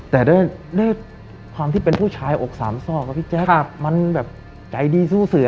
แต่ด้วยความที่เป็นผู้ชายอกสามซอกอะพี่แจ๊คมันแบบใจดีสู้เสือ